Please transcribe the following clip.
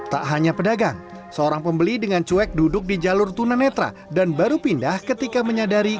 tak hanya pedagang seorang pembeli dengan cuek duduk di jalur tunanetra dan baru pindah ketika menyadari